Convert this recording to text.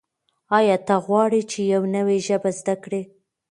آیا ته غواړې چې یو نوی ژبه زده کړې؟